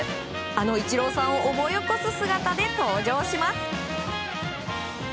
あのイチローさんを思い起こす姿で登場します。